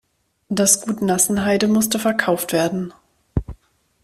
Das Gut Nassenheide musste verkauft werden.